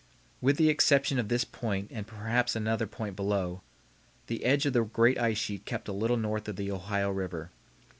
With the exception of this point and perhaps another point below, the edge of the great ice sheet kept a little north of the Ohio River.